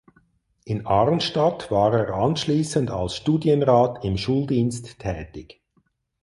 In Arnstadt war er anschließend als Studienrat im Schuldienst tätig.